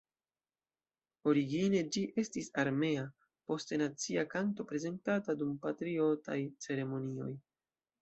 Origine ĝi estis armea, poste nacia kanto prezentata dum patriotaj ceremonioj.